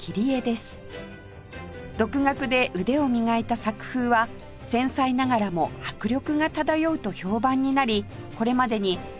独学で腕を磨いた作風は繊細ながらも迫力が漂うと評判になりこれまでに小説家